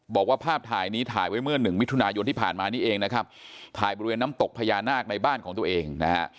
บอกว่าภาพถ่ายนี้ถ่ายไว้เมื่อหนึ่งมิถุนายนที่ผ่านมานี่เองนะครับถ่ายบริเวณน้ำตกพญานาคในบ้านของตัวเองนะฮะ